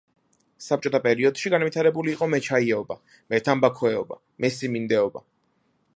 საბჭოთა პერიოდში განვითარებული იყო მეჩაიეობა, მეთამბაქოეობა, მესიმინდეობა.